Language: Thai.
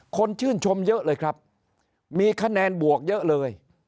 คนชื่นชมเยอะเลยครับมีคะแนนบวกเยอะเลย